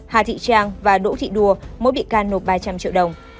hà thị trang và đỗ thị đua mỗi bị can nộp ba trăm linh triệu đồng